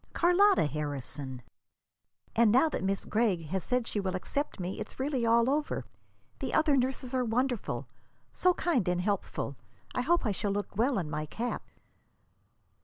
"Carlotta Harrison. And now that Miss Gregg has said she will accept me, it's really all over. The other nurses are wonderful so kind and so helpful. I hope I shall look well in my cap."